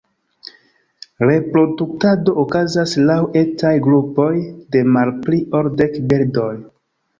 Reproduktado okazas laŭ etaj grupoj de malpli ol dek birdoj.